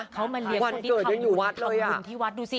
เขามาเลี้ยงคนที่ทำบุญที่วัดดูสิ